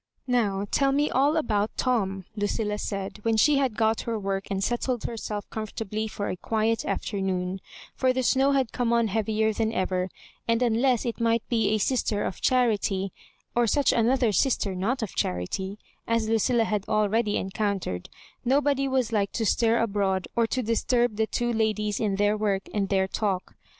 "Now, tell me all about Tom," Lucilla said, when she had got her work and settled herself comfortably for a quiet aflemoon — for the snow had come on heavier than ever, and unless it might be a sister of charitj, or such another sister not of charity, as Lucilla had already en oountered, nobody was like to stir abroad or to disturb the two ladies in their work and their talk.